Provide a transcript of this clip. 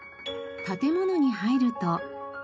建物に入ると。